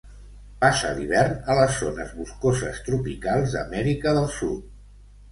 Passa l'hivern a les zones boscoses tropicals d'Amèrica del Sud.